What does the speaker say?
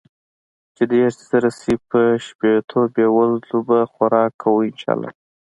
چې ديرش زره شي په شپيتو بې وزلو به خوراک کو ان شاء الله.